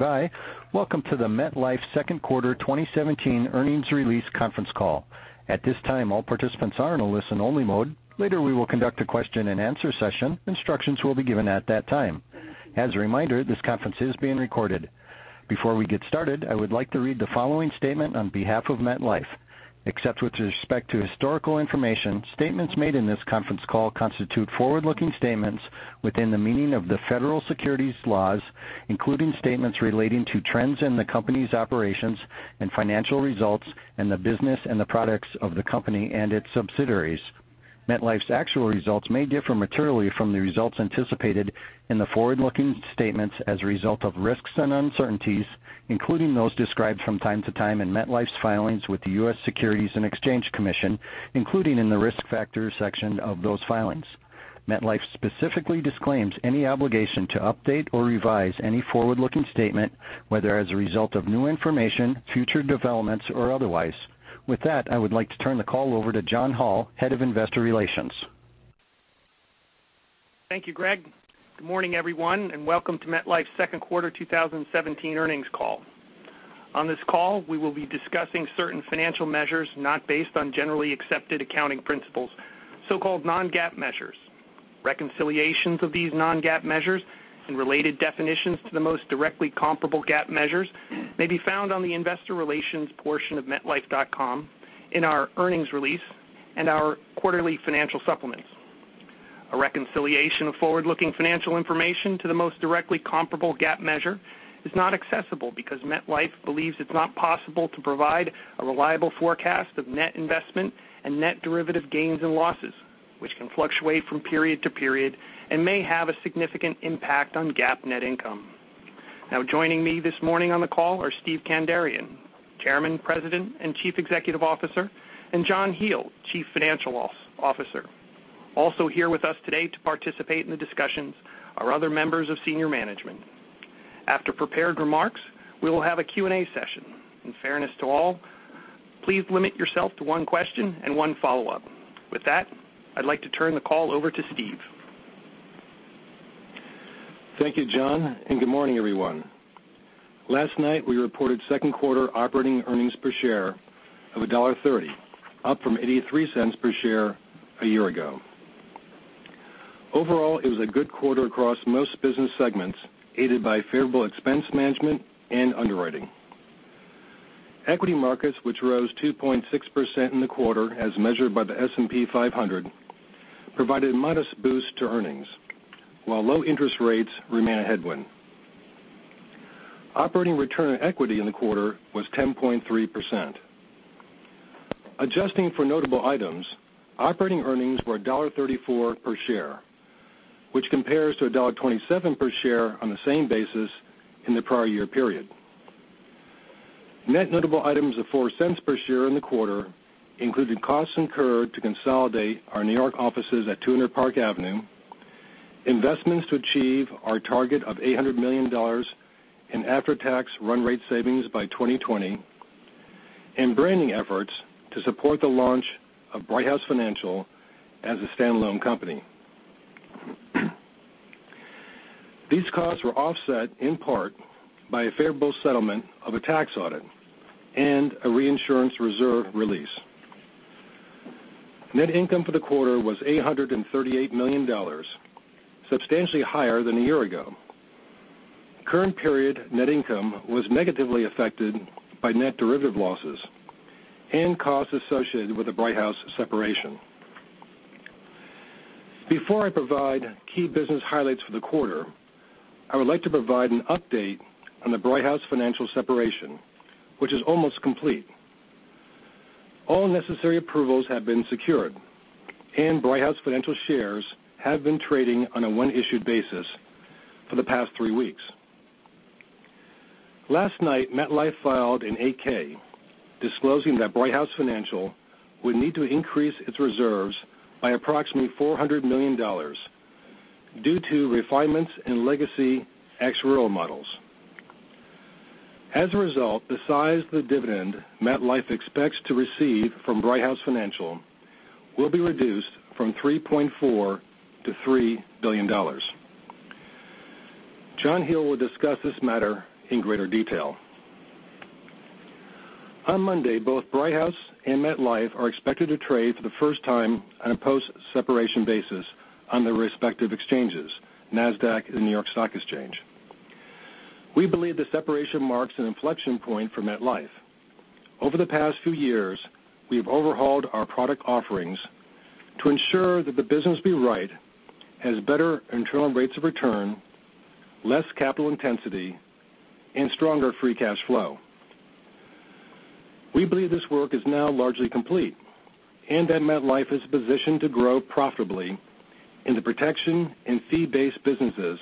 Hi, welcome to the MetLife second quarter 2017 earnings release conference call. At this time, all participants are in a listen only mode. Later, we will conduct a question and answer session. Instructions will be given at that time. As a reminder, this conference is being recorded. Before we get started, I would like to read the following statement on behalf of MetLife. Except with respect to historical information, statements made in this conference call constitute forward-looking statements within the meaning of the federal securities laws, including statements relating to trends in the company's operations and financial results and the business and the products of the company and its subsidiaries. MetLife's actual results may differ materially from the results anticipated in the forward-looking statements as a result of risks and uncertainties, including those described from time to time in MetLife's filings with the U.S. Securities and Exchange Commission, including in the risk factors section of those filings. MetLife specifically disclaims any obligation to update or revise any forward-looking statement, whether as a result of new information, future developments, or otherwise. With that, I would like to turn the call over to John Hall, Head of Investor Relations. Thank you, Greg. Good morning, everyone, and welcome to MetLife's second quarter 2017 earnings call. On this call, we will be discussing certain financial measures not based on generally accepted accounting principles, so-called non-GAAP measures. Reconciliations of these non-GAAP measures and related definitions to the most directly comparable GAAP measures may be found on the investor relations portion of metlife.com in our earnings release and our quarterly financial supplements. A reconciliation of forward-looking financial information to the most directly comparable GAAP measure is not accessible because MetLife believes it's not possible to provide a reliable forecast of net investment and net derivative gains and losses, which can fluctuate from period to period and may have a significant impact on GAAP net income. Now, joining me this morning on the call are Steve Kandarian, Chairman, President, and Chief Executive Officer, and John Hele, Chief Financial Officer. Also here with us today to participate in the discussions are other members of senior management. After prepared remarks, we will have a Q&A session. In fairness to all, please limit yourself to one question and one follow-up. With that, I'd like to turn the call over to Steve. Thank you, John, and good morning, everyone. Last night, we reported second quarter operating earnings per share of $1.30, up from $0.83 per share a year ago. Overall, it was a good quarter across most business segments, aided by favorable expense management and underwriting. Equity markets, which rose 2.6% in the quarter as measured by the S&P 500, provided a modest boost to earnings, while low interest rates remain a headwind. Operating return on equity in the quarter was 10.3%. Adjusting for notable items, operating earnings were $1.34 per share, which compares to $1.27 per share on the same basis in the prior year period. Net notable items of $0.04 per share in the quarter included costs incurred to consolidate our New York offices at 200 Park Avenue, investments to achieve our target of $800 million in after-tax run rate savings by 2020, and branding efforts to support the launch of Brighthouse Financial as a standalone company. These costs were offset in part by a favorable settlement of a tax audit and a reinsurance reserve release. Net income for the quarter was $838 million, substantially higher than a year ago. Current period net income was negatively affected by net derivative losses and costs associated with the Brighthouse separation. Before I provide key business highlights for the quarter, I would like to provide an update on the Brighthouse Financial separation, which is almost complete. All necessary approvals have been secured, and Brighthouse Financial shares have been trading on a when-issued basis for the past three weeks. Last night, MetLife filed an 8-K disclosing that Brighthouse Financial would need to increase its reserves by approximately $400 million due to refinements in legacy actuarial models. As a result, the size of the dividend MetLife expects to receive from Brighthouse Financial will be reduced from $3.4 billion to $3 billion. John Hele will discuss this matter in greater detail. On Monday, both Brighthouse and MetLife are expected to trade for the first time on a post-separation basis on their respective exchanges, Nasdaq and the New York Stock Exchange. We believe the separation marks an inflection point for MetLife. Over the past few years, we've overhauled our product offerings to ensure that the business be right, has better internal rates of return, less capital intensity, and stronger free cash flow. MetLife is positioned to grow profitably in the protection and fee-based businesses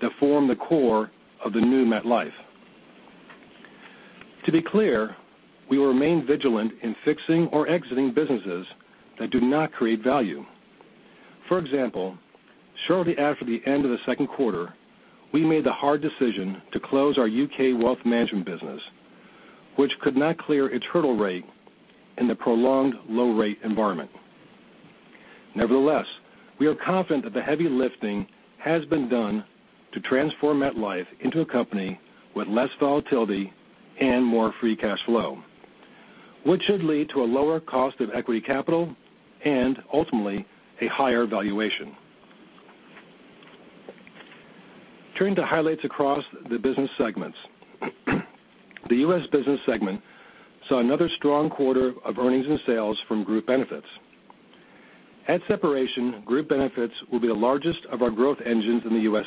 that form the core of the new MetLife. To be clear, we will remain vigilant in fixing or exiting businesses that do not create value. For example, shortly after the end of the second quarter, we made the hard decision to close our U.K. wealth management business, which could not clear its hurdle rate in the prolonged low-rate environment. Nevertheless, we are confident that the heavy lifting has been done to transform MetLife into a company with less volatility and more free cash flow, which should lead to a lower cost of equity capital, and ultimately, a higher valuation. Turning to highlights across the business segments. The U.S. business segment saw another strong quarter of earnings and sales from Group Benefits. At separation, Group Benefits will be the largest of our growth engines in the U.S.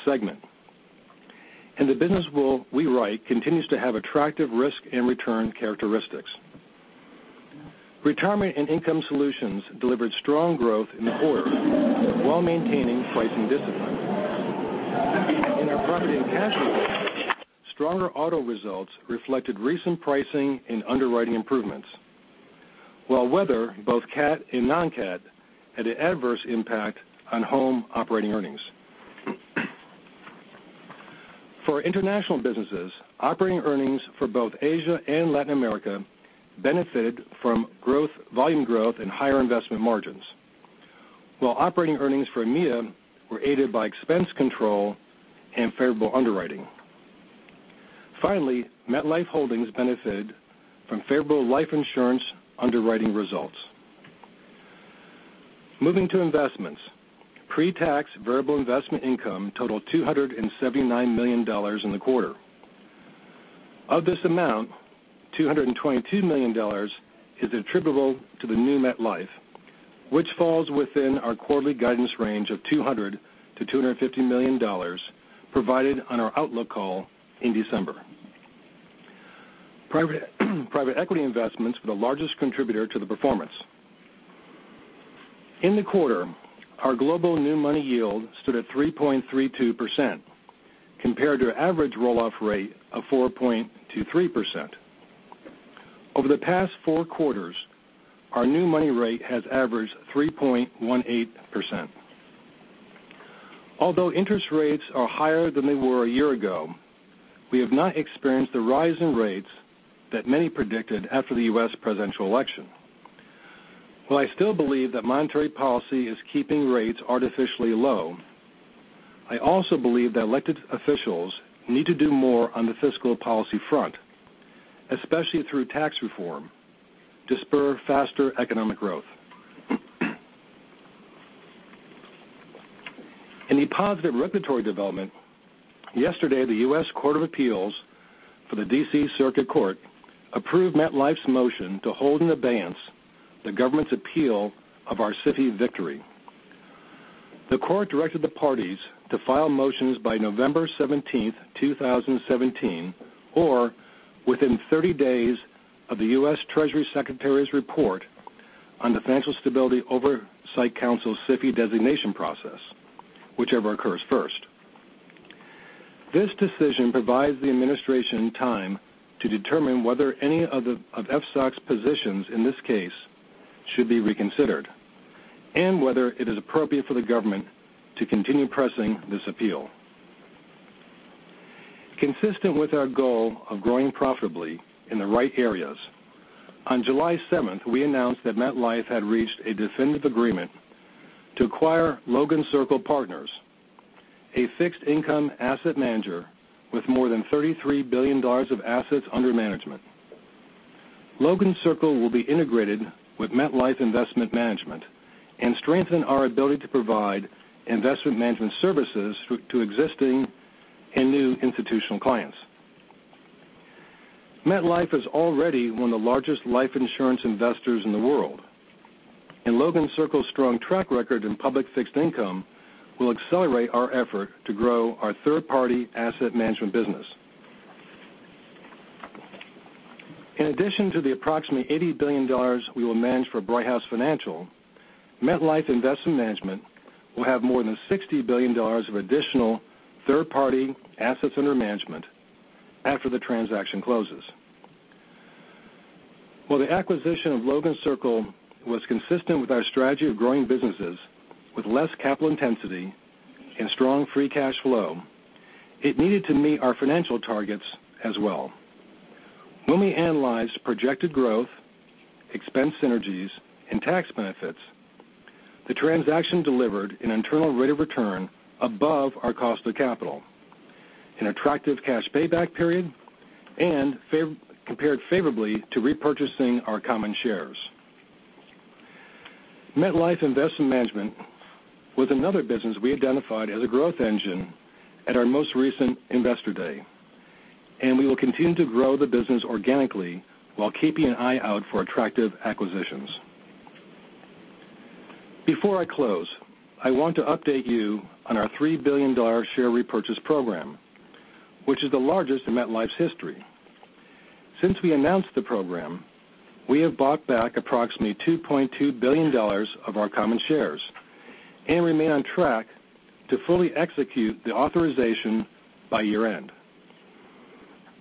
segment. The business we write continues to have attractive risk and return characteristics. Retirement and Income Solutions delivered strong growth in the quarter while maintaining pricing discipline. In our Property & Casualty business, stronger auto results reflected recent pricing and underwriting improvements, while weather, both cat and non-cat, had an adverse impact on home operating earnings. For international businesses, operating earnings for both Asia and Latin America benefited from volume growth and higher investment margins, while operating earnings for EMEA were aided by expense control and favorable underwriting. Finally, MetLife Holdings benefited from favorable life insurance underwriting results. Moving to investments. Pre-tax variable investment income totaled $279 million in the quarter. Of this amount, $222 million is attributable to the new MetLife, which falls within our quarterly guidance range of $200 million-$250 million provided on our outlook call in December. Private equity investments were the largest contributor to the performance. In the quarter, our global new money yield stood at 3.32%, compared to an average roll-off rate of 4.23%. Over the past four quarters, our new money rate has averaged 3.18%. Although interest rates are higher than they were a year ago, we have not experienced the rise in rates that many predicted after the U.S. presidential election. While I still believe that monetary policy is keeping rates artificially low, I also believe that elected officials need to do more on the fiscal policy front, especially through tax reform, to spur faster economic growth. In a positive regulatory development, yesterday the U.S. Court of Appeals for the D.C. Circuit Court approved MetLife's motion to hold in abeyance the government's appeal of our SIFI victory. The court directed the parties to file motions by November 17th, 2017, or within 30 days of the U.S. Treasury Secretary's report on the Financial Stability Oversight Council's SIFI designation process, whichever occurs first. This decision provides the administration time to determine whether any of FSOC's positions in this case should be reconsidered, and whether it is appropriate for the government to continue pressing this appeal. Consistent with our goal of growing profitably in the right areas, on July 7th, we announced that MetLife had reached a definitive agreement to acquire Logan Circle Partners, a fixed income asset manager with more than $33 billion of assets under management. Logan Circle will be integrated with MetLife Investment Management and strengthen our ability to provide investment management services to existing and new institutional clients. MetLife is already one of the largest life insurance investors in the world. Logan Circle's strong track record in public fixed income will accelerate our effort to grow our third-party asset management business. In addition to the approximately $80 billion we will manage for Brighthouse Financial, MetLife Investment Management will have more than $60 billion of additional third-party assets under management after the transaction closes. While the acquisition of Logan Circle was consistent with our strategy of growing businesses with less capital intensity and strong free cash flow, it needed to meet our financial targets as well. When we analyzed projected growth, expense synergies, and tax benefits, the transaction delivered an internal rate of return above our cost of capital, an attractive cash payback period, and compared favorably to repurchasing our common shares. MetLife Investment Management was another business we identified as a growth engine at our most recent Investor Day, and we will continue to grow the business organically while keeping an eye out for attractive acquisitions. Before I close, I want to update you on our $3 billion share repurchase program, which is the largest in MetLife's history. Since we announced the program, we have bought back approximately $2.2 billion of our common shares and remain on track to fully execute the authorization by year-end.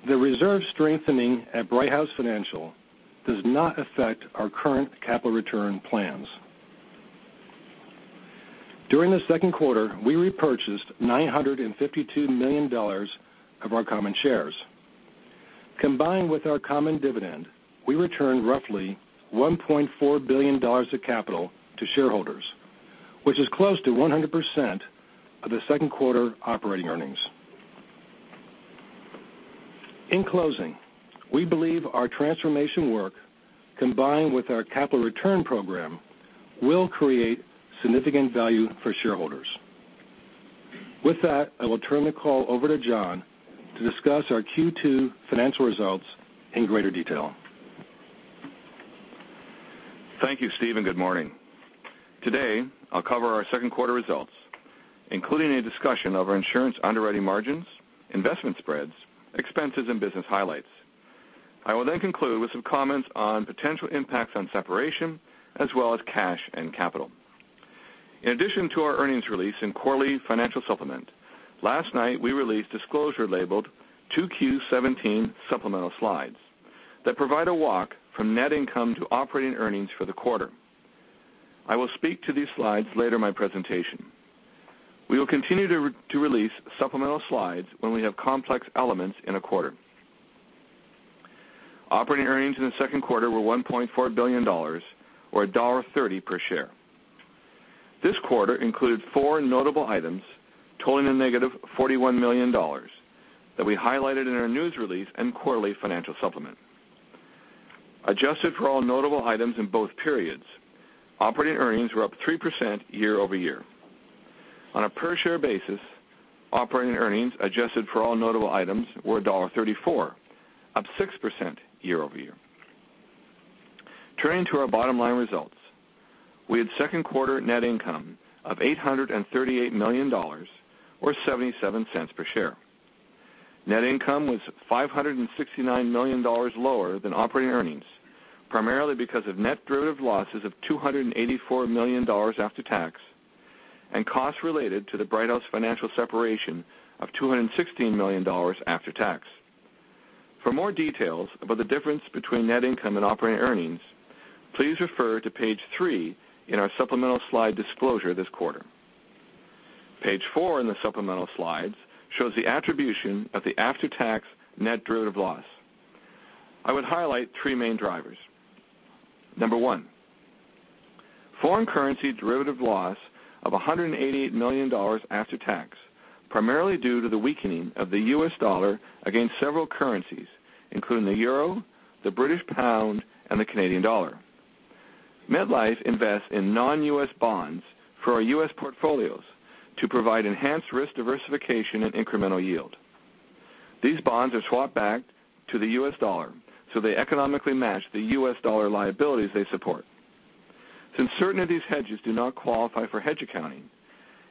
The reserve strengthening at Brighthouse Financial does not affect our current capital return plans. During the second quarter, we repurchased $952 million of our common shares. Combined with our common dividend, we returned roughly $1.4 billion of capital to shareholders, which is close to 100% of the second quarter operating earnings. In closing, we believe our transformation work, combined with our capital return program, will create significant value for shareholders. With that, I will turn the call over to John to discuss our Q2 financial results in greater detail. Thank you, Steve. Good morning. Today, I'll cover our second quarter results, including a discussion of our insurance underwriting margins, investment spreads, expenses, and business highlights. I will conclude with some comments on potential impacts on separation, as well as cash and capital. In addition to our earnings release and quarterly financial supplement, last night, we released disclosure labeled 2Q17 Supplemental Slides that provide a walk from net income to operating earnings for the quarter. I will speak to these slides later in my presentation. We will continue to release supplemental slides when we have complex elements in a quarter. Operating earnings in the second quarter were $1.4 billion, or $1.30 per share. This quarter included four notable items totaling a negative $41 million that we highlighted in our news release and quarterly financial supplement. Adjusted for all notable items in both periods, operating earnings were up 3% year-over-year. On a per share basis, operating earnings adjusted for all notable items were $1.34, up 6% year-over-year. Turning to our bottom line results, we had second quarter net income of $838 million, or $0.77 per share. Net income was $569 million lower than operating earnings, primarily because of net derivative losses of $284 million after tax and costs related to the Brighthouse Financial separation of $216 million after tax. For more details about the difference between net income and operating earnings, please refer to page three in our supplemental slide disclosure this quarter. Page four in the supplemental slides shows the attribution of the after-tax net derivative loss. I would highlight three main drivers. Number one, foreign currency derivative loss of $188 million after tax, primarily due to the weakening of the U.S. dollar against several currencies, including the euro, the British pound, and the Canadian dollar. MetLife invests in non-U.S. bonds for our U.S. portfolios to provide enhanced risk diversification and incremental yield. These bonds are swapped back to the U.S. dollar, so they economically match the U.S. dollar liabilities they support. Since certain of these hedges do not qualify for hedge accounting,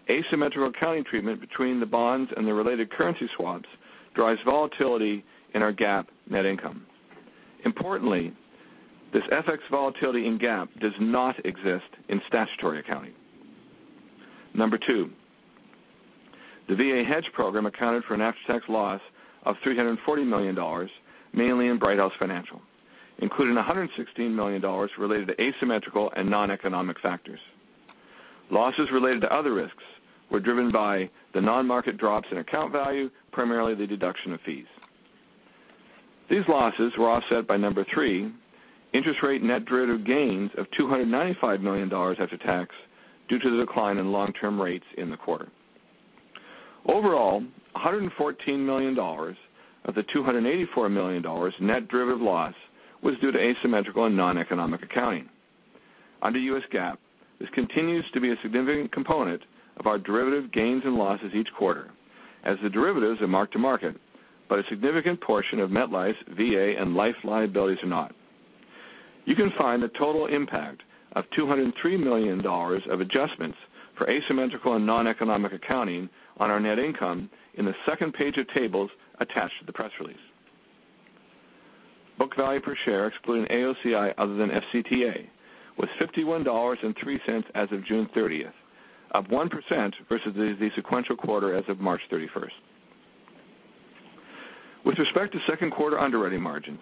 asymmetrical accounting treatment between the bonds and the related currency swaps drives volatility in our GAAP net income. Importantly, this FX volatility in GAAP does not exist in statutory accounting. Number two, the VA hedge program accounted for an after-tax loss of $340 million, mainly in Brighthouse Financial, including $116 million related to asymmetrical and non-economic factors. Losses related to other risks were driven by the non-market drops in account value, primarily the deduction of fees. These losses were offset by number three, interest rate net derivative gains of $295 million after tax due to the decline in long-term rates in the quarter. Overall, $114 million of the $284 million net derivative loss was due to asymmetrical and non-economic accounting. Under U.S. GAAP, this continues to be a significant component of our derivative gains and losses each quarter as the derivatives are mark-to-market, but a significant portion of MetLife's VA and life liabilities are not. You can find the total impact of $203 million of adjustments for asymmetrical and non-economic accounting on our net income in the second page of tables attached to the press release. Book value per share, excluding AOCI other than FCTA, was $51.03 as of June 30th, up 1% versus the sequential quarter as of March 31st. With respect to second quarter underwriting margins,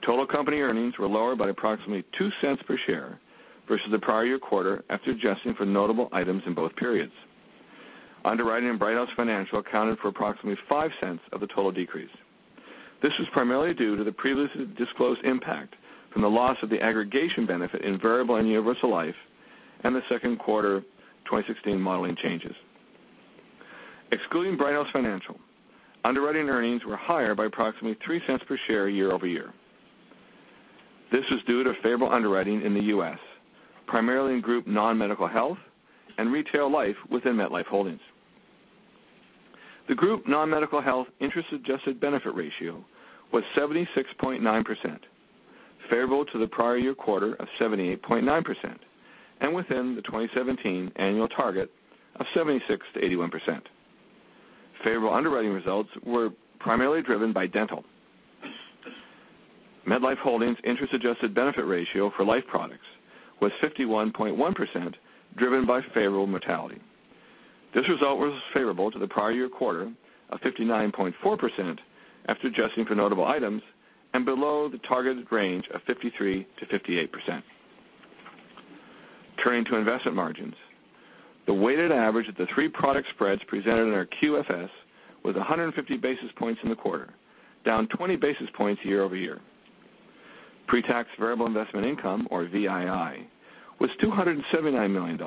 total company earnings were lower by approximately $0.02 per share versus the prior year quarter after adjusting for notable items in both periods. Underwriting in Brighthouse Financial accounted for approximately $0.05 of the total decrease. This was primarily due to the previously disclosed impact from the loss of the aggregation benefit in variable and universal life and the second quarter 2016 modeling changes. Excluding Brighthouse Financial, underwriting earnings were higher by approximately $0.03 per share year-over-year. This was due to favorable underwriting in the U.S., primarily in Group non-medical health and retail life within MetLife Holdings. The Group non-medical health interest adjusted benefit ratio was 76.9%, favorable to the prior year quarter of 78.9% and within the 2017 annual target of 76%-81%. Favorable underwriting results were primarily driven by dental. MetLife Holdings interest adjusted benefit ratio for life products was 51.1%, driven by favorable mortality. This result was favorable to the prior year quarter of 59.4% after adjusting for notable items and below the targeted range of 53%-58%. Turning to investment margins. The weighted average of the three product spreads presented in our QFS was 150 basis points in the quarter, down 20 basis points year-over-year. Pre-tax variable investment income, or VII, was $279 million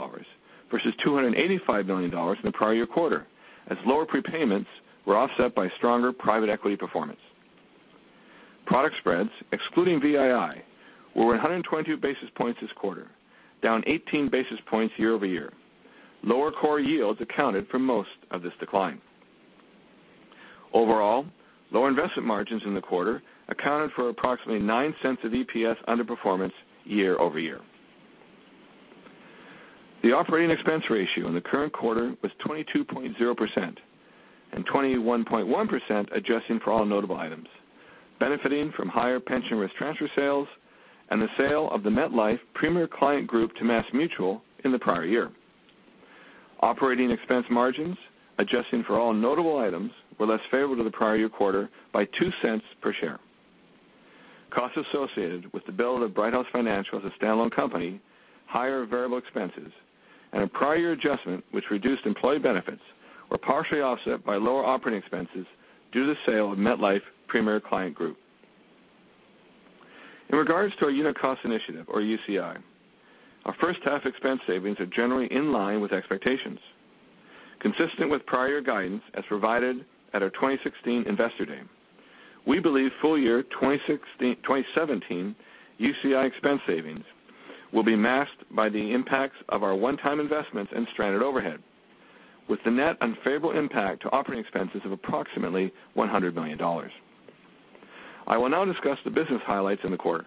versus $285 million in the prior year quarter, as lower prepayments were offset by stronger private equity performance. Product spreads, excluding VII, were 120 basis points this quarter, down 18 basis points year-over-year. Lower core yields accounted for most of this decline. Overall, low investment margins in the quarter accounted for approximately $0.09 of EPS underperformance year-over-year. The operating expense ratio in the current quarter was 22.0% and 21.1% adjusting for all notable items, benefiting from higher pension risk transfer sales and the sale of the MetLife Premier Client Group to MassMutual in the prior year. Operating expense margins, adjusting for all notable items, were less favorable to the prior year quarter by $0.02 per share. Costs associated with the build of Brighthouse Financial as a standalone company, higher variable expenses, and a prior year adjustment, which reduced employee benefits, were partially offset by lower operating expenses due to the sale of MetLife Premier Client Group. In regards to our unit cost initiative or UCI, our first half expense savings are generally in line with expectations. Consistent with prior guidance as provided at our 2016 Investor Day, we believe full year 2017 UCI expense savings will be masked by the impacts of our one-time investments in stranded overhead, with the net unfavorable impact to operating expenses of approximately $100 million. I will now discuss the business highlights in the quarter.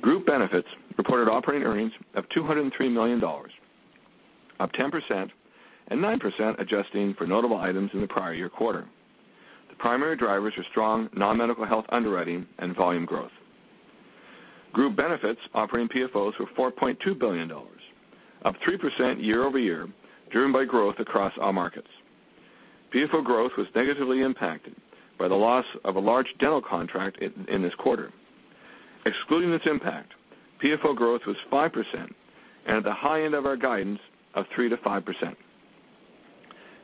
Group Benefits reported operating earnings of $203 million, up 10% and 9% adjusting for notable items in the prior year quarter. The primary drivers are strong non-medical health underwriting and volume growth. Group Benefits operating PFOs were $4.2 billion, up 3% year-over-year, driven by growth across all markets. PFO growth was negatively impacted by the loss of a large dental contract in this quarter. Excluding this impact, PFO growth was 5% and at the high end of our guidance of 3%-5%.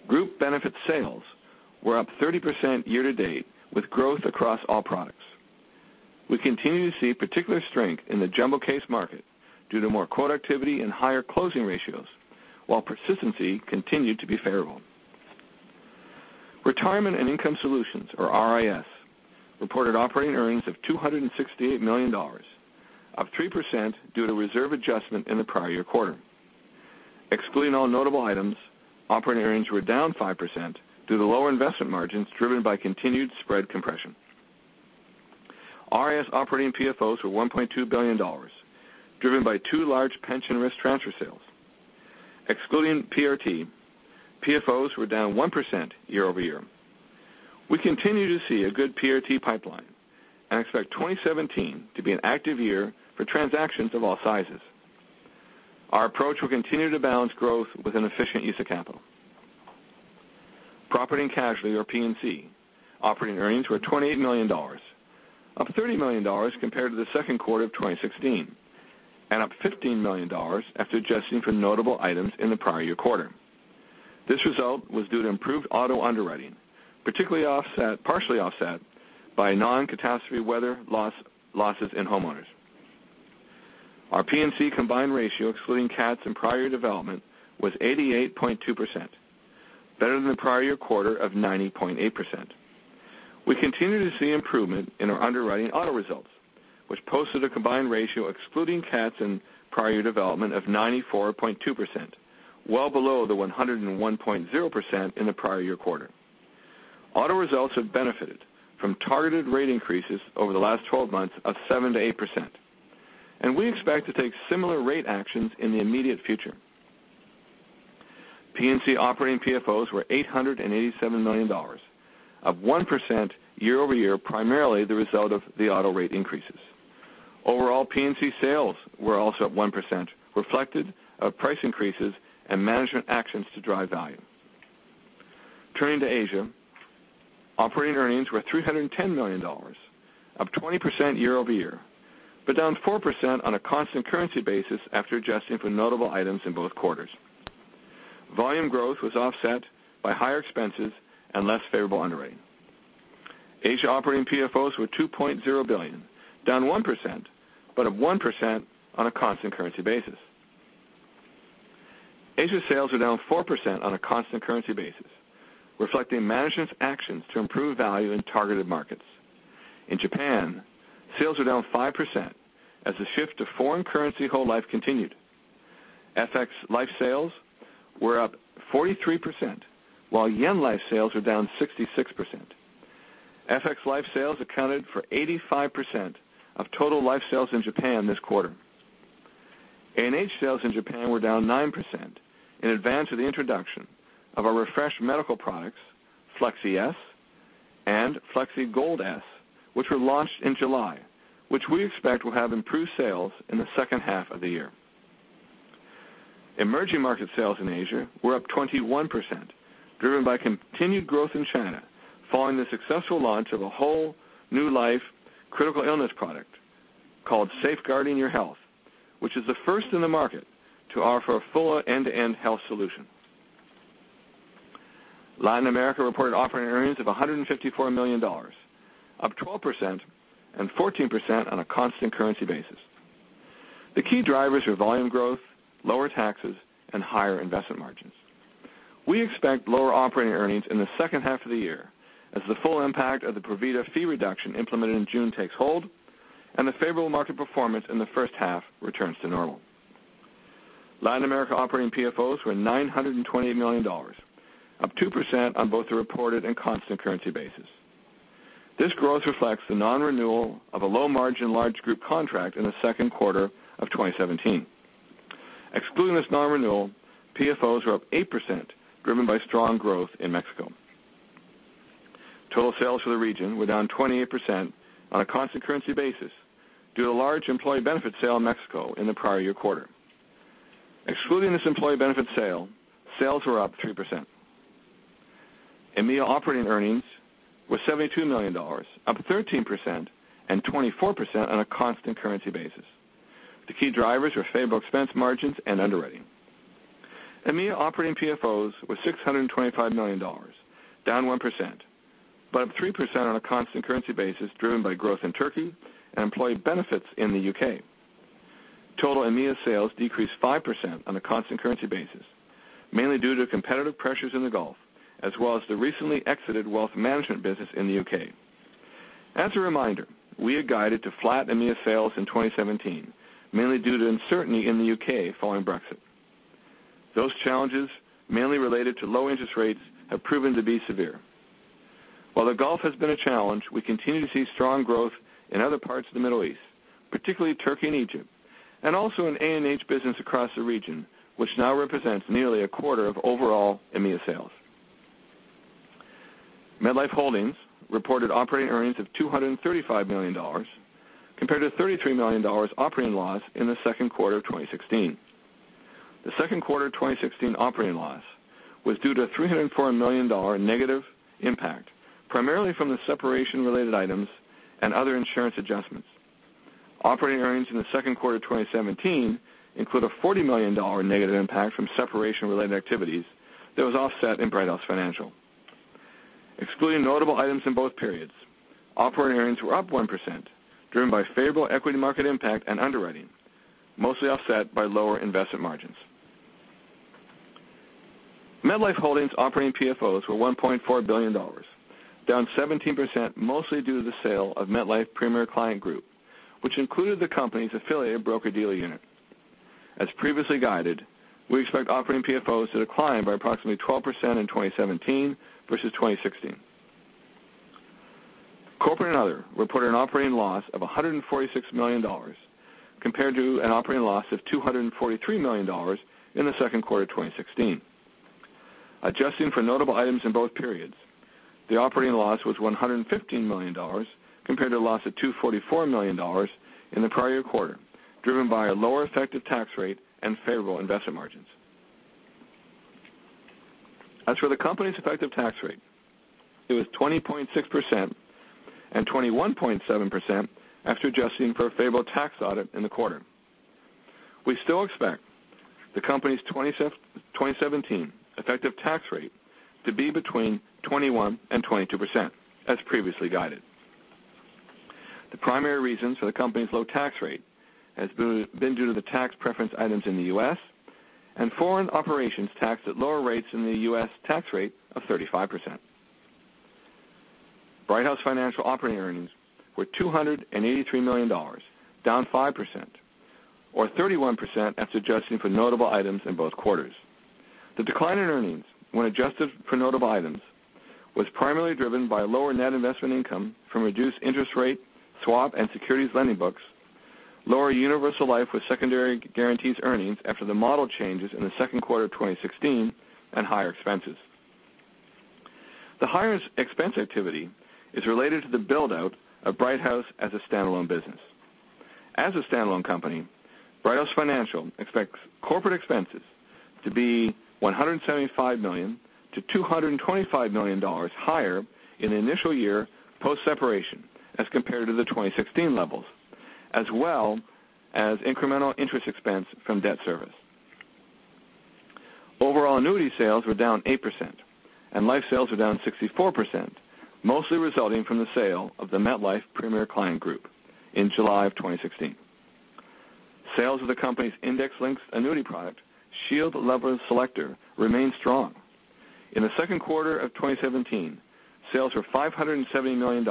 Group Benefits sales were up 30% year-to-date with growth across all products. We continue to see particular strength in the jumbo case market due to more quote activity and higher closing ratios, while persistency continued to be favorable. Retirement and Income Solutions, or RIS, reported operating earnings of $268 million, up 3% due to reserve adjustment in the prior year quarter. Excluding all notable items, operating earnings were down 5% due to lower investment margins driven by continued spread compression. RIS operating PFOs were $1.2 billion, driven by two large pension risk transfer sales. Excluding PRT, PFOs were down 1% year-over-year. We continue to see a good PRT pipeline and expect 2017 to be an active year for transactions of all sizes. Our approach will continue to balance growth with an efficient use of capital. Property & Casualty, or P&C, operating earnings were $28 million, up $30 million compared to the second quarter of 2016, and up $15 million after adjusting for notable items in the prior year quarter. This result was due to improved auto underwriting, partially offset by non-catastrophe weather losses in homeowners. Our P&C combined ratio, excluding CATs and prior year development, was 88.2%, better than the prior year quarter of 90.8%. We continue to see improvement in our underwriting auto results, which posted a combined ratio excluding CATs and prior year development of 94.2%, well below the 101.0% in the prior year quarter. Auto results have benefited from targeted rate increases over the last 12 months of 7%-8%, and we expect to take similar rate actions in the immediate future. P&C operating PFOs were $887 million, up 1% year-over-year, primarily the result of the auto rate increases. Overall, P&C sales were also up 1%, reflective of price increases and management actions to drive value. Turning to Asia. Operating earnings were $310 million, up 20% year-over-year, but down 4% on a constant currency basis after adjusting for notable items in both quarters. Volume growth was offset by higher expenses and less favorable underwriting. Asia operating PFOs were $2.0 billion, down 1%, but up 1% on a constant currency basis. Asia sales were down 4% on a constant currency basis, reflecting management's actions to improve value in targeted markets. In Japan, sales were down 5% as the shift to foreign currency whole life continued. FX life sales were up 43%, while JPY life sales were down 66%. FX life sales accounted for 85% of total life sales in Japan this quarter. A&H sales in Japan were down 9% in advance of the introduction of our refreshed medical products, Flexi S and Flexi Gold S, which were launched in July, which we expect will have improved sales in the second half of the year. Emerging market sales in Asia were up 21%, driven by continued growth in China following the successful launch of a whole new life critical illness product called Safeguarding Your Health, which is the first in the market to offer a full end-to-end health solution. Latin America reported operating earnings of $154 million, up 12% and 14% on a constant currency basis. The key drivers are volume growth, lower taxes, and higher investment margins. We expect lower operating earnings in the second half of the year as the full impact of the Provida fee reduction implemented in June takes hold and the favorable market performance in the first half returns to normal. Latin America operating PFOs were $928 million, up 2% on both the reported and constant currency basis. This growth reflects the non-renewal of a low-margin large group contract in the second quarter of 2017. Excluding this non-renewal, PFOs were up 8%, driven by strong growth in Mexico. Total sales for the region were down 28% on a constant currency basis due to large employee benefits sale in Mexico in the prior year quarter. Excluding this employee benefits sale, sales were up 3%. EMEA operating earnings was $72 million, up 13% and 24% on a constant currency basis. The key drivers were favorable expense margins and underwriting. EMEA operating PFOs was $625 million, down 1%, but up 3% on a constant currency basis driven by growth in Turkey and employee benefits in the U.K. Total EMEA sales decreased 5% on a constant currency basis, mainly due to competitive pressures in the Gulf as well as the recently exited wealth management business in the U.K. As a reminder, we had guided to flat EMEA sales in 2017, mainly due to uncertainty in the U.K. following Brexit. Those challenges, mainly related to low interest rates, have proven to be severe. While the Gulf has been a challenge, we continue to see strong growth in other parts of the Middle East, particularly Turkey and Egypt, and also in A&H business across the region, which now represents nearly a quarter of overall EMEA sales. MetLife Holdings reported operating earnings of $235 million compared to a $33 million operating loss in the second quarter of 2016. The second quarter 2016 operating loss was due to a $304 million negative impact, primarily from the separation-related items and other insurance adjustments. Operating earnings in the second quarter of 2017 include a $40 million negative impact from separation related activities that was offset in Brighthouse Financial. Excluding notable items in both periods, operating earnings were up 1%, driven by favorable equity market impact and underwriting, mostly offset by lower investment margins. MetLife Holdings operating PFOs were $1.4 billion, down 17%, mostly due to the sale of MetLife Premier Client Group, which included the company's affiliate broker-dealer unit. As previously guided, we expect operating PFOs to decline by approximately 12% in 2017 versus 2016. Corporate and other reported an operating loss of $146 million compared to an operating loss of $243 million in the second quarter of 2016. Adjusting for notable items in both periods, the operating loss was $115 million compared to a loss of $244 million in the prior year quarter, driven by a lower effective tax rate and favorable investment margins. As for the company's effective tax rate, it was 20.6% and 21.7% after adjusting for a favorable tax audit in the quarter. We still expect the company's 2017 effective tax rate to be between 21% and 22%, as previously guided. The primary reason for the company's low tax rate has been due to the tax preference items in the U.S. and foreign operations taxed at lower rates than the U.S. tax rate of 35%. Brighthouse Financial operating earnings were $283 million, down 5% or 31% after adjusting for notable items in both quarters. The decline in earnings when adjusted for notable items was primarily driven by lower net investment income from reduced interest rate swap and securities lending books, lower universal life with secondary guarantees earnings after the model changes in the second quarter of 2016, and higher expenses. The higher expense activity is related to the build-out of Brighthouse as a standalone business. As a standalone company, Brighthouse Financial expects corporate expenses to be $175 million to $225 million higher in the initial year post-separation as compared to the 2016 levels, as well as incremental interest expense from debt service. Overall annuity sales were down 8% and life sales were down 64%, mostly resulting from the sale of the MetLife Premier Client Group in July of 2016. Sales of the company's index-linked annuity product, Shield Level Selector, remain strong. In the second quarter of 2017, sales were $570 million,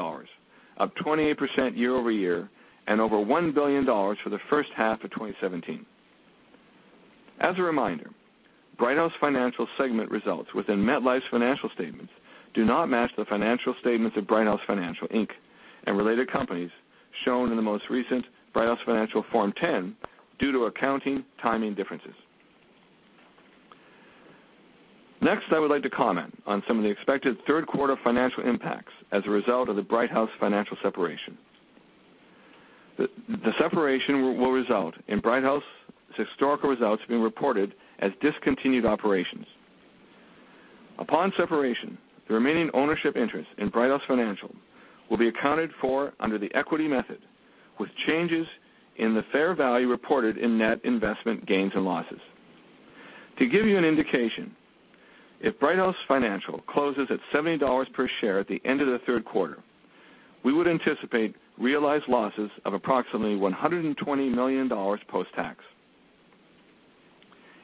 up 28% year-over-year and over $1 billion for the first half of 2017. As a reminder, Brighthouse Financial segment results within MetLife's financial statements do not match the financial statements of Brighthouse Financial Inc and related companies shown in the most recent Brighthouse Financial Form 10 due to accounting timing differences. Next, I would like to comment on some of the expected third quarter financial impacts as a result of the Brighthouse Financial separation. The separation will result in Brighthouse's historical results being reported as discontinued operations. Upon separation, the remaining ownership interest in Brighthouse Financial will be accounted for under the equity method, with changes in the fair value reported in net investment gains and losses. To give you an indication, if Brighthouse Financial closes at $70 per share at the end of the third quarter, we would anticipate realized losses of approximately $120 million post-tax.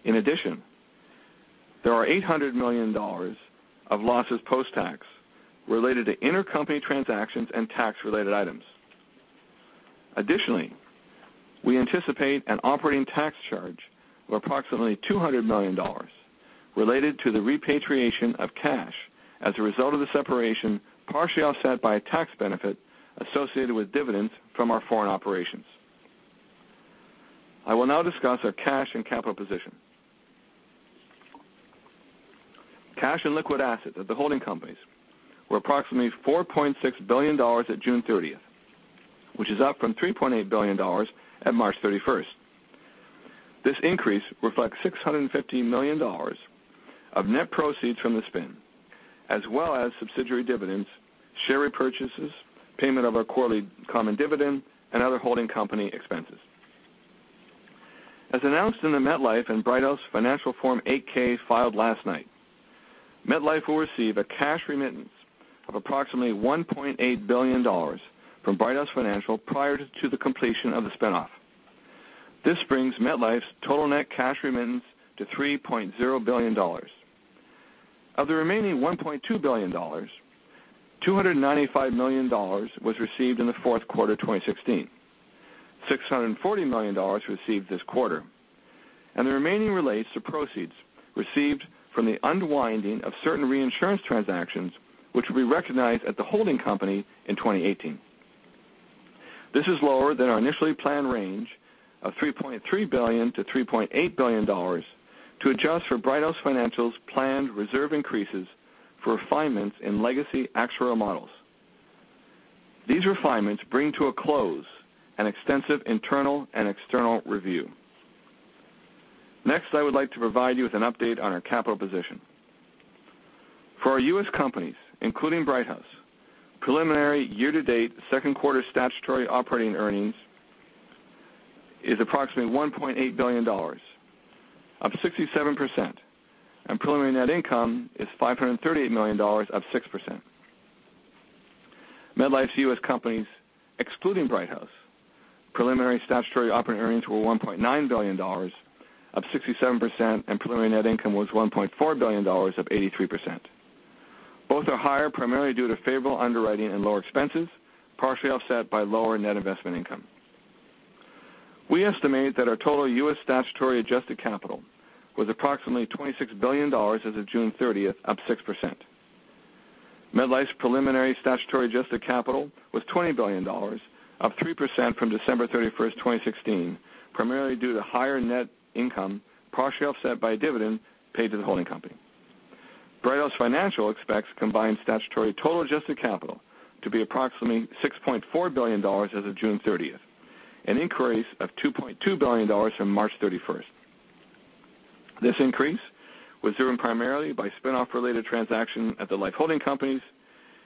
In addition, there are $800 million of losses post-tax related to intercompany transactions and tax-related items. Additionally, we anticipate an operating tax charge of approximately $200 million related to the repatriation of cash as a result of the separation, partially offset by a tax benefit associated with dividends from our foreign operations. I will now discuss our cash and capital position. Cash and liquid assets at the holding companies were approximately $4.6 billion at June 30th, which is up from $3.8 billion at March 31st. This increase reflects $650 million of net proceeds from the spin, as well as subsidiary dividends, share repurchases, payment of our quarterly common dividend, and other holding company expenses. As announced in the MetLife and Brighthouse Financial Form 8-K filed last night, MetLife will receive a cash remittance of approximately $1.8 billion from Brighthouse Financial prior to the completion of the spin-off. This brings MetLife's total net cash remittance to $3.0 billion. Of the remaining $1.2 billion, $295 million was received in the fourth quarter 2016, $640 million received this quarter, and the remaining relates to proceeds received from the unwinding of certain reinsurance transactions, which will be recognized at the holding company in 2018. This is lower than our initially planned range of $3.3 billion-$3.8 billion to adjust for Brighthouse Financial's planned reserve increases for refinements in legacy actuary models. These refinements bring to a close an extensive internal and external review. Next, I would like to provide you with an update on our capital position. For our U.S. companies, including Brighthouse, preliminary year-to-date second quarter statutory operating earnings is approximately $1.8 billion, up 67%, and preliminary net income is $538 million, up 6%. MetLife's U.S. companies, excluding Brighthouse, preliminary statutory operating earnings were $1.9 billion, up 67%, and preliminary net income was $1.4 billion, up 83%. Both are higher, primarily due to favorable underwriting and lower expenses, partially offset by lower net investment income. We estimate that our total U.S. statutory adjusted capital was approximately $26 billion as of June 30th, up 6%. MetLife's preliminary statutory adjusted capital was $20 billion, up 3% from December 31st, 2016, primarily due to higher net income, partially offset by a dividend paid to the holding company. Brighthouse Financial expects combined statutory total adjusted capital to be approximately $6.4 billion as of June 30th, an increase of $2.2 billion from March 31st. This increase was driven primarily by spin-off related transaction at the life holding companies,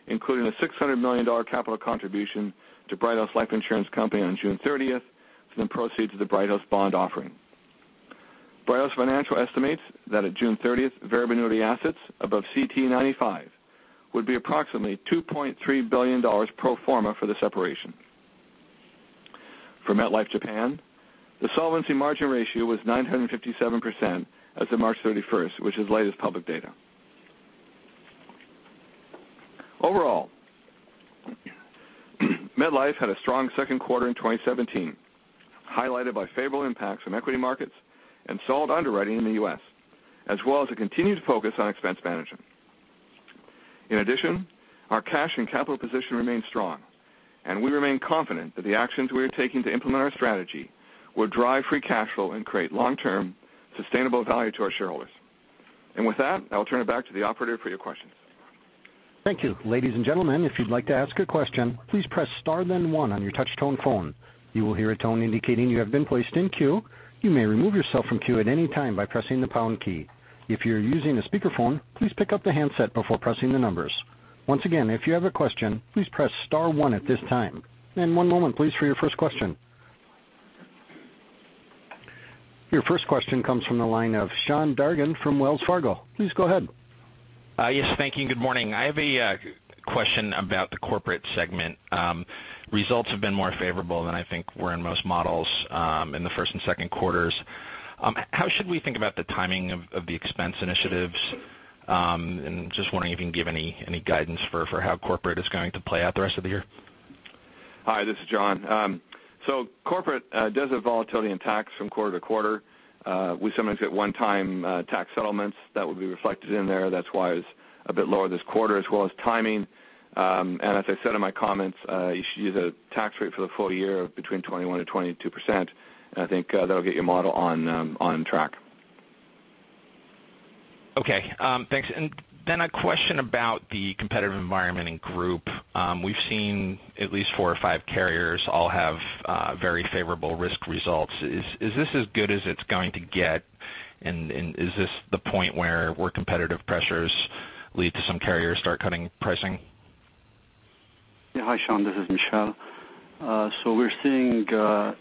including a $600 million capital contribution to Brighthouse Life Insurance Company on June 30th from the proceeds of the Brighthouse bond offering. Brighthouse Financial estimates that at June 30th, fair value of the assets above CTE95 would be approximately $2.3 billion pro forma for the separation. For MetLife Japan, the solvency margin ratio was 957% as of March 31st, which is the latest public data. Overall, MetLife had a strong second quarter in 2017, highlighted by favorable impacts from equity markets and solid underwriting in the U.S., as well as a continued focus on expense management. In addition, our cash and capital position remains strong, and we remain confident that the actions we are taking to implement our strategy will drive free cash flow and create long-term sustainable value to our shareholders. With that, I will turn it back to the operator for your questions. Thank you. Ladies and gentlemen, if you'd like to ask a question, please press star then one on your touch tone phone. You will hear a tone indicating you have been placed in queue. You may remove yourself from queue at any time by pressing the pound key. If you're using a speakerphone, please pick up the handset before pressing the numbers. Once again, if you have a question, please press star one at this time. One moment, please, for your first question. Your first question comes from the line of Sean Dargan from Wells Fargo. Please go ahead. Hi. Yes, thank you. Good morning. I have a question about the corporate segment. Results have been more favorable than I think were in most models in the first and second quarters. How should we think about the timing of the expense initiatives? Just wondering if you can give any guidance for how corporate is going to play out the rest of the year. Hi, this is John. Corporate does have volatility in tax from quarter to quarter. We sometimes get one-time tax settlements that would be reflected in there. That's why it's a bit lower this quarter, as well as timing. As I said in my comments, you should use a tax rate for the full year of between 21%-22%, and I think that'll get your model on track. Okay, thanks. Then a question about the competitive environment in Group Benefits. We've seen at least four or five carriers all have very favorable risk results. Is this as good as it's going to get? Is this the point where competitive pressures lead to some carriers start cutting pricing? Yeah. Hi, Sean. This is Michel. We're seeing the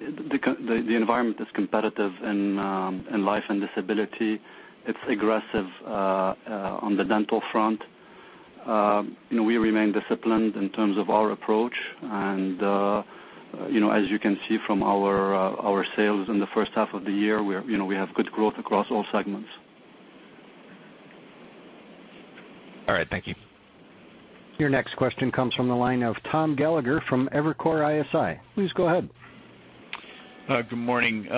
environment is competitive in life and disability. It's aggressive on the dental front. We remain disciplined in terms of our approach, and as you can see from our sales in the first half of the year, we have good growth across all segments. All right. Thank you. Your next question comes from the line of Thomas Gallagher from Evercore ISI. Please go ahead. Good morning.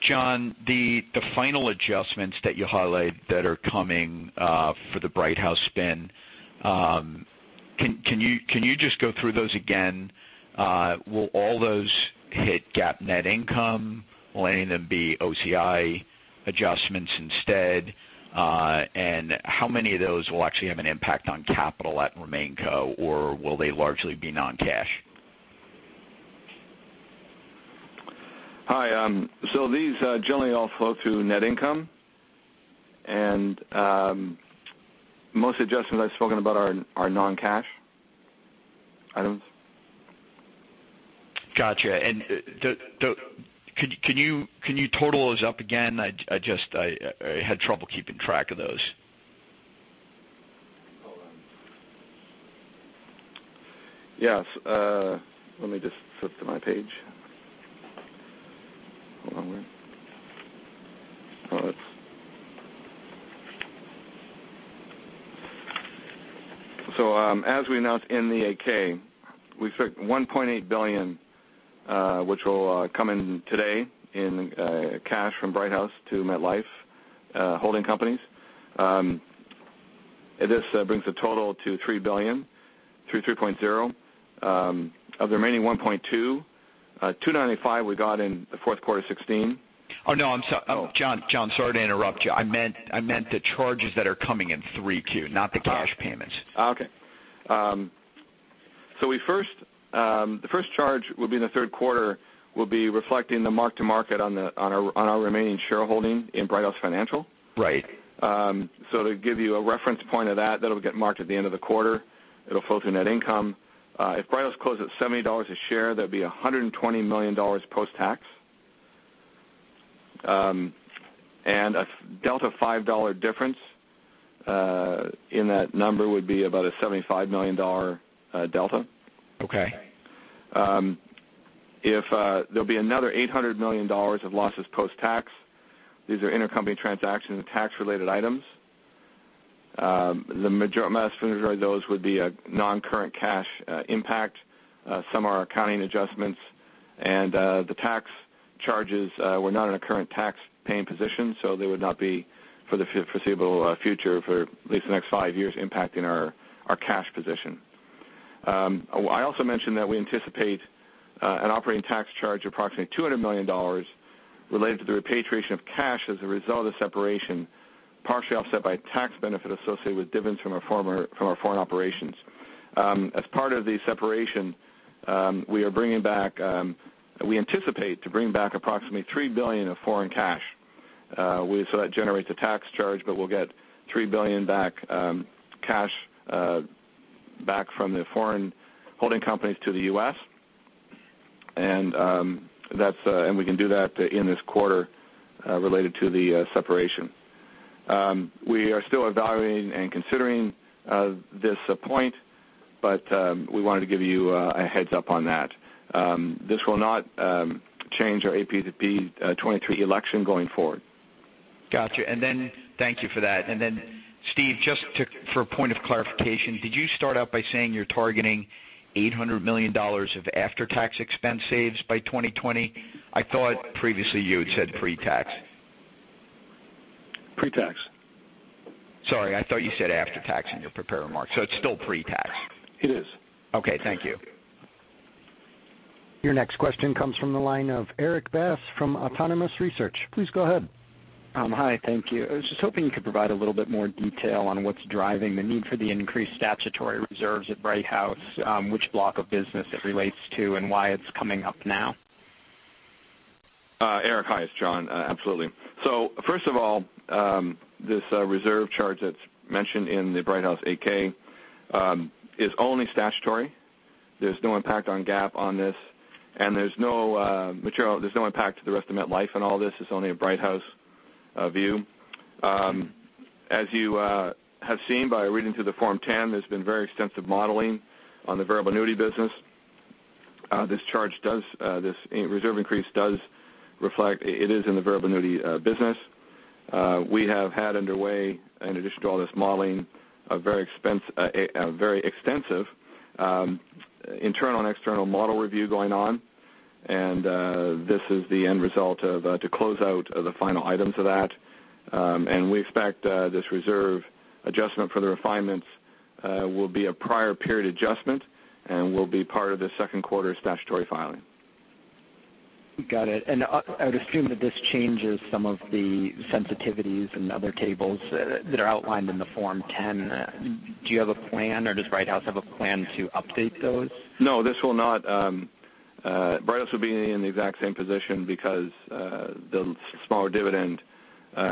John, the final adjustments that you highlight that are coming for the Brighthouse spin, can you just go through those again? Will all those hit GAAP net income? Will any of them be OCI adjustments instead? How many of those will actually have an impact on capital at RemainCo, or will they largely be non-cash? These generally all flow through net income. Most adjustments I've spoken about are non-cash items. Got you. Can you total those up again? I had trouble keeping track of those. Hold on. Yes. Let me just flip to my page. Hold on one. As we announced in the 8-K, we took $1.8 billion, which will come in today in cash from Brighthouse to MetLife holding companies. This brings the total to $3 billion, $3.0. Of the remaining $1.2, $295 we got in the fourth quarter of 2016. Oh, no, I'm sorry. John, sorry to interrupt you. I meant the charges that are coming in 3Q, not the cash payments. The first charge will be in the third quarter, will be reflecting the mark to market on our remaining shareholding in Brighthouse Financial. Right. To give you a reference point of that'll get marked at the end of the quarter. It'll flow through net income. If Brighthouse closed at $70 a share, that'd be $120 million post-tax. A delta $5 difference in that number would be about a $75 million delta. Okay. There'll be another $800 million of losses post-tax. These are intercompany transactions and tax-related items. Most of those would be a non-current cash impact. Some are accounting adjustments, and the tax charges were not in a current tax paying position, so they would not be for the foreseeable future, for at least the next five years, impacting our cash position. I also mentioned that we anticipate an operating tax charge of approximately $200 million related to the repatriation of cash as a result of separation, partially offset by tax benefit associated with dividends from our foreign operations. As part of the separation, we anticipate to bring back approximately $3 billion of foreign cash. That generates a tax charge, but we'll get $3 billion back cash back from the foreign holding companies to the U.S., and we can do that in this quarter related to the separation. We are still evaluating and considering this point, but we wanted to give you a heads up on that. This will not change our APB 23 election going forward. Got you. Thank you for that. Steve, just for a point of clarification, did you start out by saying you're targeting $800 million of after-tax expense saves by 2020? I thought previously you had said pre-tax. Pre-tax. Sorry, I thought you said after-tax in your prepared remarks. It's still pre-tax. It is. Okay, thank you. Your next question comes from the line of Erik Bass from Autonomous Research. Please go ahead. Hi, thank you. I was just hoping you could provide a little bit more detail on what's driving the need for the increased statutory reserves at Brighthouse, which block of business it relates to, and why it's coming up now. Erik, hi. It's John. Absolutely. First of all, this reserve charge that's mentioned in the Brighthouse 8-K is only statutory. There's no impact on GAAP on this, there's no impact to the rest of MetLife in all this. It's only a Brighthouse view. As you have seen by reading through the Form 10, there's been very extensive modeling on the variable annuity business. This reserve increase does reflect it is in the variable annuity business. We have had underway, in addition to all this modeling, a very extensive internal and external model review going on. This is the end result to close out the final items of that. We expect this reserve adjustment for the refinements will be a prior period adjustment and will be part of the second quarter statutory filing. Got it. I would assume that this changes some of the sensitivities and other tables that are outlined in the Form 10. Do you have a plan, or does Brighthouse have a plan to update those? No, this will not. Brighthouse will be in the exact same position because the smaller dividend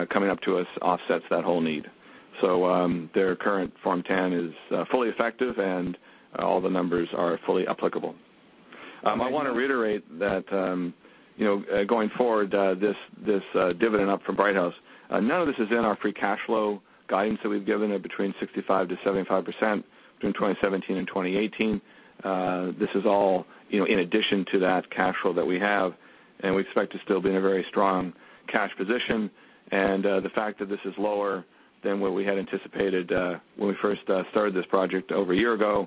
coming up to us offsets that whole need. Their current Form 10 is fully effective and all the numbers are fully applicable. I want to reiterate that going forward, this dividend up from Brighthouse, none of this is in our free cash flow guidance that we've given at between 65%-75% between 2017 and 2018. This is all in addition to that cash flow that we have, and we expect to still be in a very strong cash position. The fact that this is lower than what we had anticipated when we first started this project over a year ago,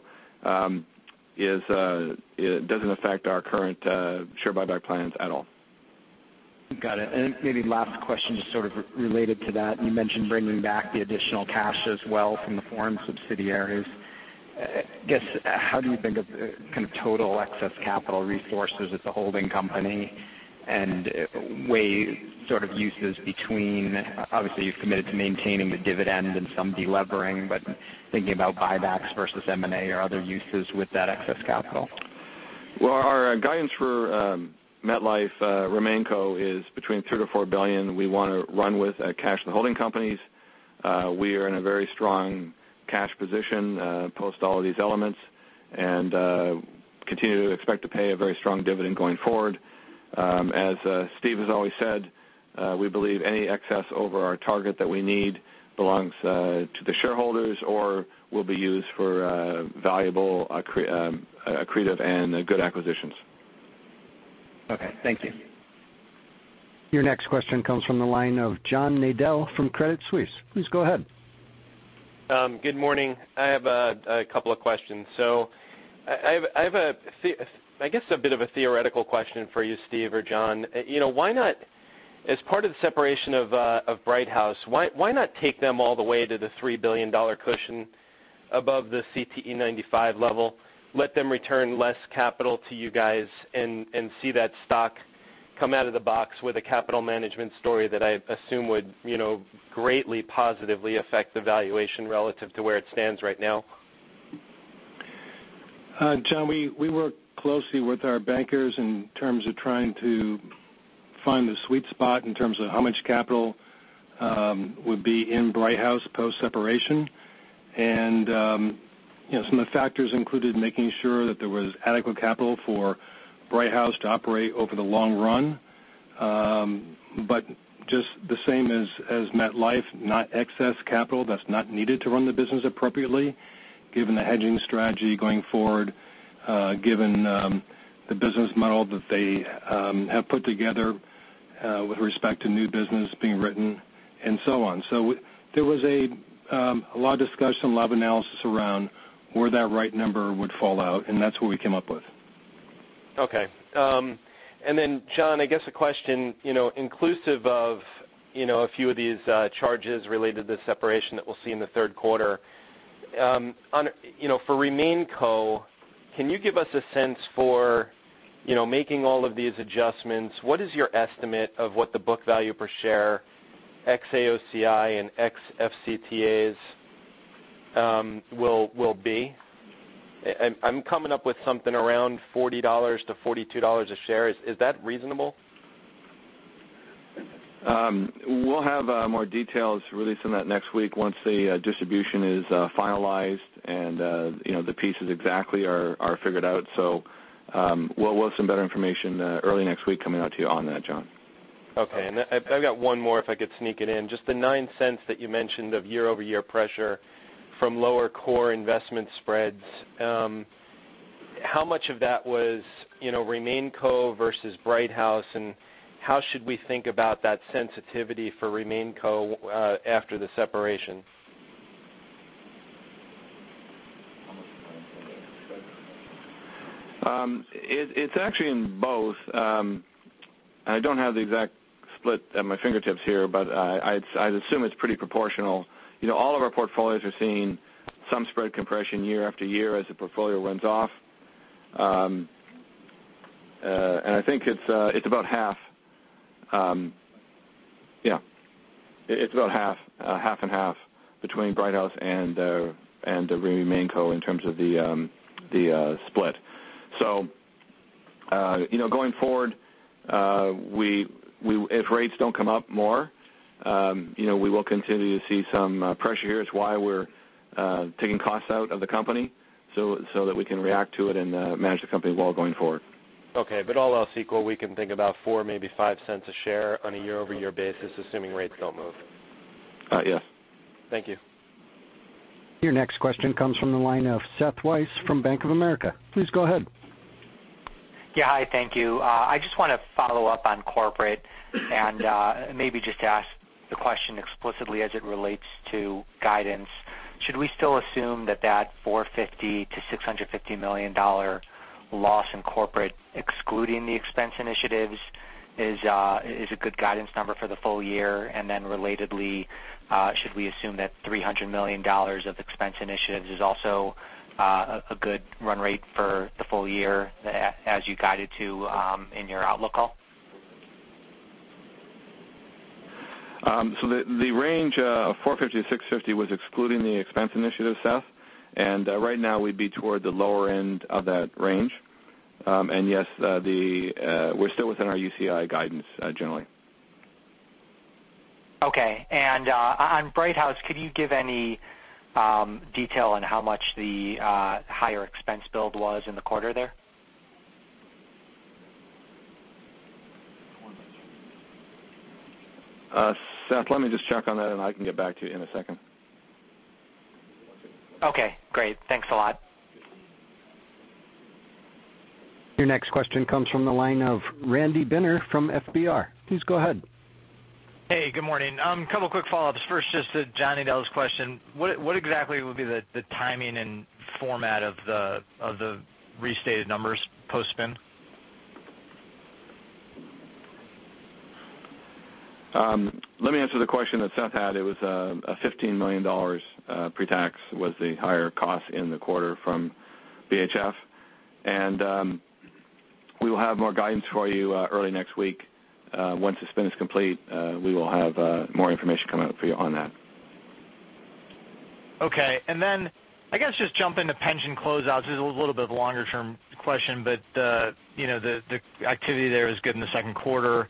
it doesn't affect our current share buyback plans at all. Got it. Maybe last question, just sort of related to that, you mentioned bringing back the additional cash as well from the foreign subsidiaries. I guess, how do you think of kind of total excess capital resources at the holding company and weigh sort of uses between, obviously, you've committed to maintaining the dividend and some de-levering, but thinking about buybacks versus M&A or other uses with that excess capital? Well, our guidance for MetLife RemainCo is between $3 billion-$4 billion we want to run with at cash in the holding companies. We are in a very strong cash position post all of these elements and continue to expect to pay a very strong dividend going forward. As Steve has always said, we believe any excess over our target that we need belongs to the shareholders or will be used for valuable, accretive, and good acquisitions. Okay. Thank you. Your next question comes from the line of John Nadel from Credit Suisse. Please go ahead. Good morning. I have a couple of questions. I have, I guess, a bit of a theoretical question for you, Steve or John. As part of the separation of Brighthouse, why not take them all the way to the $3 billion cushion above the CTE 95 level, let them return less capital to you guys, and see that stock come out of the box with a capital management story that I assume would greatly positively affect the valuation relative to where it stands right now? John, we work closely with our bankers in terms of trying to find the sweet spot in terms of how much capital would be in Brighthouse post-separation. Some of the factors included making sure that there was adequate capital for Brighthouse to operate over the long run. Just the same as MetLife, not excess capital that's not needed to run the business appropriately, given the hedging strategy going forward, given the business model that they have put together with respect to new business being written, and so on. There was a lot of discussion, a lot of analysis around where that right number would fall out, and that's what we came up with. Okay. John, I guess a question, inclusive of a few of these charges related to the separation that we'll see in the third quarter. For RemainCo, can you give us a sense for making all of these adjustments, what is your estimate of what the book value per share ex AOCI and ex FCTAs will be? I'm coming up with something around $40-$42 a share. Is that reasonable? We'll have more details releasing that next week once the distribution is finalized and the pieces exactly are figured out. We'll have some better information early next week coming out to you on that, John. Okay. I've got one more if I could sneak it in. Just the $0.09 that you mentioned of year-over-year pressure from lower core investment spreads. How much of that was RemainCo versus Brighthouse, and how should we think about that sensitivity for RemainCo after the separation? It's actually in both. I don't have the exact split at my fingertips here, but I'd assume it's pretty proportional. All of our portfolios are seeing some spread compression year after year as the portfolio runs off. I think it's about half. Yeah. It's about half and half between Brighthouse and RemainCo in terms of the split. Going forward, if rates don't come up more, we will continue to see some pressure here. It's why we're taking costs out of the company so that we can react to it and manage the company well going forward. Okay. All else equal, we can think about $0.04, maybe $0.05 a share on a year-over-year basis, assuming rates don't move. Yes. Thank you. Your next question comes from the line of Seth Weiss from Bank of America. Please go ahead. Yeah. Hi, thank you. I just want to follow up on corporate and maybe just ask the question explicitly as it relates to guidance. Should we still assume that that $450 million to $650 million loss in corporate, excluding the expense initiatives, is a good guidance number for the full year? Then relatedly, should we assume that $300 million of expense initiatives is also a good run rate for the full year as you guided to in your outlook call? The range of $450 to $650 was excluding the expense initiatives, Seth. Right now we'd be toward the lower end of that range. Yes, we're still within our UCI guidance generally. Okay. On Brighthouse, could you give any detail on how much the higher expense build was in the quarter there? Seth, let me just check on that and I can get back to you in a second. Okay, great. Thanks a lot. Your next question comes from the line of Randy Binner from FBR. Please go ahead. Hey, good morning. Couple quick follow-ups. First, just a John Nadel question. What exactly would be the timing and format of the restated numbers post-spin? Let me answer the question that Seth had. It was a $15 million pre-tax was the higher cost in the quarter from BHF. We will have more guidance for you early next week. Once the spin is complete, we will have more information coming out for you on that. Okay. I guess just jumping to pension closeouts, this is a little bit longer-term question, but the activity there is good in the second quarter.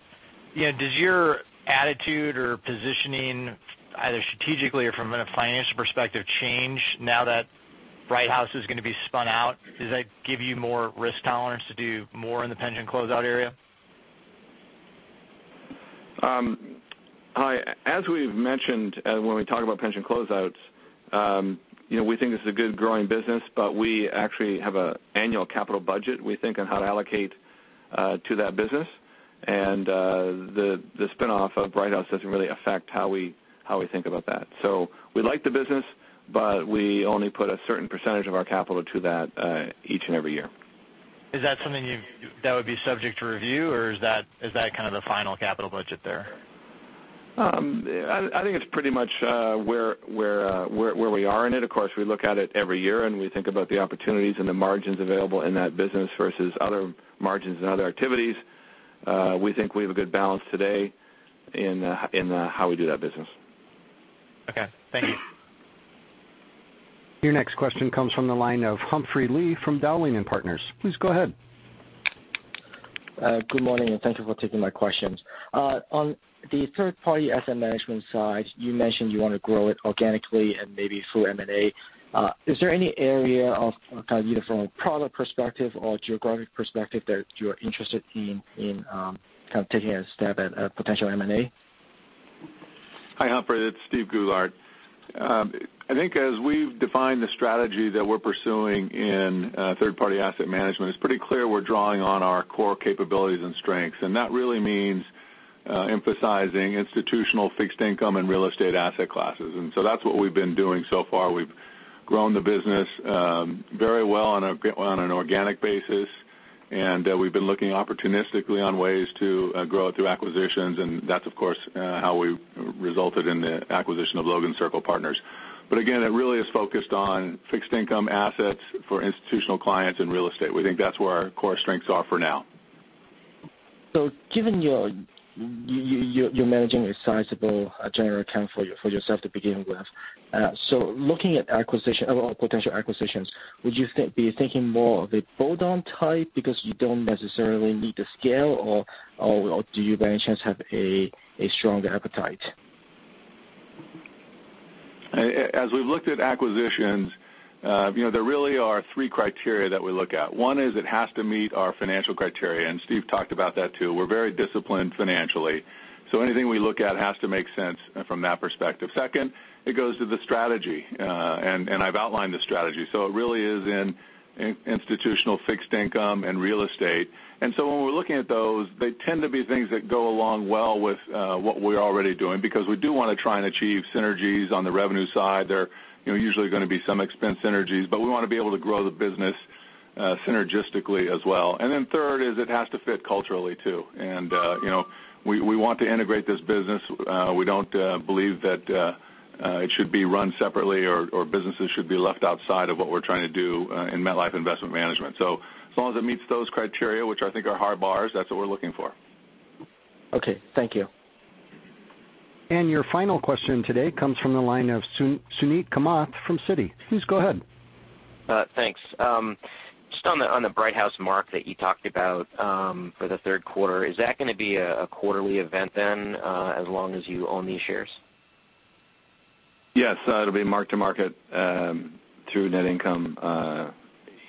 Does your attitude or positioning, either strategically or from a financial perspective, change now that Brighthouse is going to be spun out? Does that give you more risk tolerance to do more in the pension closeout area? Hi. As we've mentioned, when we talk about pension closeouts, we think this is a good growing business, but we actually have an annual capital budget we think on how to allocate to that business. The spinoff of Brighthouse doesn't really affect how we think about that. We like the business, but we only put a certain % of our capital to that each and every year. Is that something that would be subject to review, or is that kind of the final capital budget there? I think it's pretty much where we are in it. Of course, we look at it every year, and we think about the opportunities and the margins available in that business versus other margins and other activities. We think we have a good balance today in how we do that business. Okay. Thank you. Your next question comes from the line of Humphrey Lee from Dowling & Partners. Please go ahead. Good morning, and thank you for taking my questions. On the third-party asset management side, you mentioned you want to grow it organically and maybe through M&A. Is there any area of either from a product perspective or geographic perspective that you are interested in taking a stab at potential M&A? Hi, Humphrey. It's Steven Goulart. I think as we've defined the strategy that we're pursuing in third-party asset management, it's pretty clear we're drawing on our core capabilities and strengths, and that really means emphasizing institutional fixed income and real estate asset classes. That's what we've been doing so far. We've grown the business very well on an organic basis, and we've been looking opportunistically on ways to grow it through acquisitions, and that's of course how we resulted in the acquisition of Logan Circle Partners. Again, it really is focused on fixed income assets for institutional clients and real estate. We think that's where our core strengths are for now. Given you're managing a sizable general account for yourself to begin with, so looking at potential acquisitions, would you be thinking more of a bolt-on type because you don't necessarily need the scale, or do you by any chance have a strong appetite? As we've looked at acquisitions, there really are three criteria that we look at. One is it has to meet our financial criteria, and Steve talked about that, too. We're very disciplined financially. Anything we look at has to make sense from that perspective. Second, it goes to the strategy. I've outlined the strategy. It really is in institutional fixed income and real estate. When we're looking at those, they tend to be things that go along well with what we're already doing because we do want to try and achieve synergies on the revenue side. There are usually going to be some expense synergies, but we want to be able to grow the business synergistically as well. Third is it has to fit culturally, too. We want to integrate this business. We don't believe that it should be run separately or businesses should be left outside of what we're trying to do in MetLife Investment Management. As long as it meets those criteria, which I think are hard bars, that's what we're looking for. Okay. Thank you. Your final question today comes from the line of Suneet Kamath from Citi. Please go ahead. Thanks. Just on the Brighthouse mark that you talked about for the third quarter, is that going to be a quarterly event as long as you own these shares? Yes. It'll be mark-to-market through net income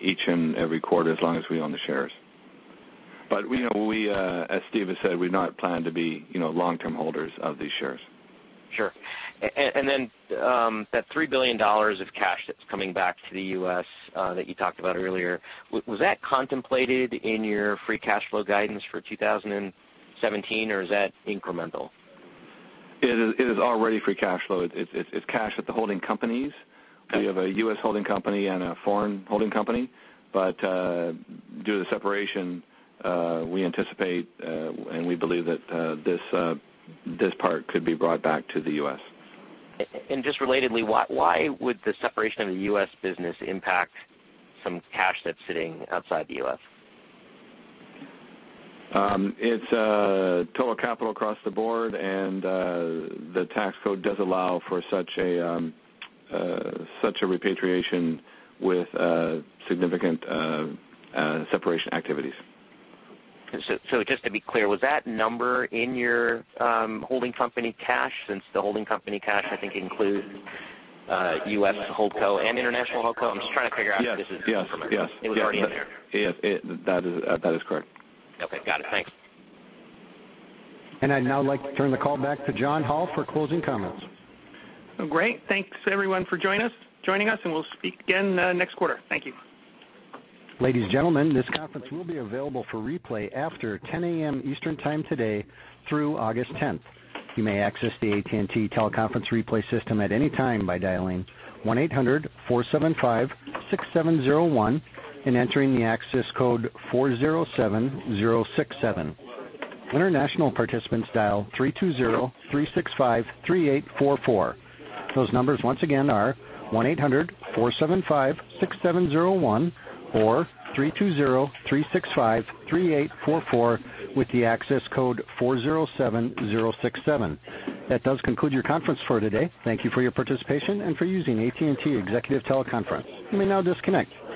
each and every quarter as long as we own the shares. As Steve has said, we've not planned to be long-term holders of these shares. Sure. Then that $3 billion of cash that's coming back to the U.S. that you talked about earlier, was that contemplated in your free cash flow guidance for 2017, or is that incremental? It is already free cash flow. It's cash at the holding companies. Okay. We have a U.S. holding company and a foreign holding company. Due to the separation, we anticipate and we believe that this part could be brought back to the U.S. Just relatedly, why would the separation of the U.S. business impact some cash that's sitting outside the U.S.? It's total capital across the board, and the tax code does allow for such a repatriation with significant separation activities. Just to be clear, was that number in your holding company cash, since the holding company cash I think includes U.S. holdco and international holdco? Yes. It was already in there. That is correct. Okay, got it. Thanks. I'd now like to turn the call back to John Hall for closing comments. Great. Thanks everyone for joining us, and we'll speak again next quarter. Thank you. Ladies and gentlemen, this conference will be available for replay after 10:00 A.M. Eastern Time today through August 10th. You may access the AT&T teleconference replay system at any time by dialing 1-800-475-6701 and entering the access code 407067. International participants dial 3203653844. Those numbers once again are 1-800-475-6701 or 3203653844 with the access code 407067. That does conclude your conference for today. Thank you for your participation and for using AT&T Executive Teleconference. You may now disconnect.